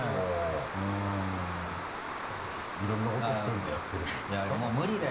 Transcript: いろんなことを１人でやってるってことですか？